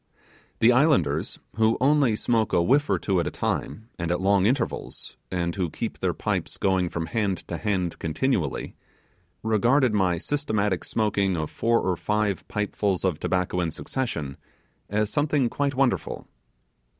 The islanders, who only smoke a whiff or two at a time, and at long intervals, and who keep their pipes going from hand to hand continually, regarded my systematic smoking of four or five pipefuls of tobacco in succession, as something quite wonderful.